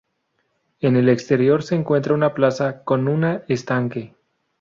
En el exterior se encuentra una plaza con una estanque.